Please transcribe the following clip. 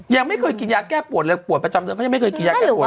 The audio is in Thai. ยังไม่เคยกินยาแก้ปวดเลยปวดประจำเดือนเขายังไม่เคยกินยาแก้ปวด